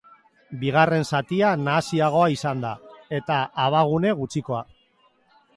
Bigarren zatia nahasiagoa izan da, eta abagune gutxikoa.